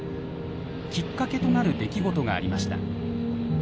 きっかけとなる出来事がありました。